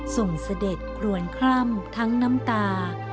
เสด็จกรวนคร่ำทั้งน้ำตา